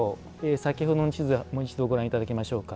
先ほどの地図でもう一度ご覧いただきましょうか。